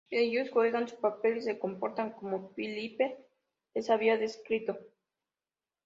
Ellos juegan su papel y se comportan como Philippe les había descrito.